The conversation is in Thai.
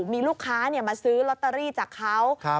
มีลูกค้ามาซื้อลอตเตอรี่จากเขา